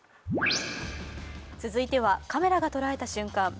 続いては、カメラが捉えた瞬間。